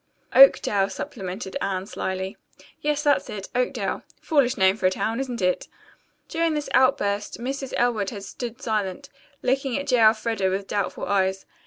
"Oakdale," supplemented Anne slyly. "Yes, that's it. Oakdale. Foolish name for a town, isn't it?" During this outburst Mrs. Elwood had stood silent, looking at J. Elfreda with doubtful eyes.